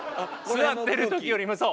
座ってる時よりもそう！